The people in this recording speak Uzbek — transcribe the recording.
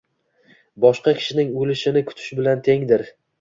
Boshqa kishining o’lishini kutish bilan tengdir